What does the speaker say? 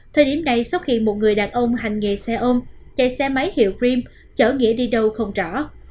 thời điểm này sau khi một người đàn ông hành nghề xe ôm chạy xe máy hiệu dream chở nghĩa đi đâu không rõ